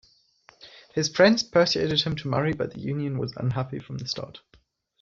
His friends persuaded him to marry, but the union was unhappy from the start.